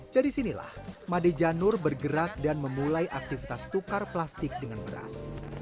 dari sinilah made janur bergerak dan memulai aktivitas tukar plastik dengan beras